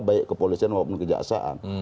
baik kepolisian maupun kejaksaan